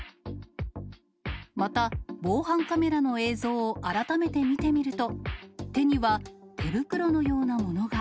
また、防犯カメラの映像を改めて見てみると、手には手袋のようなものが。